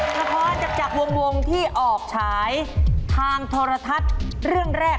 ละครจากวงที่ออกฉายทางโทรทัศน์เรื่องแรก